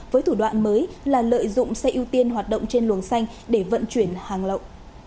với thủ đoạn mới là lợi dụng xe ưu tiên hoạt động trên luồng xanh để vận chuyển hàng lậu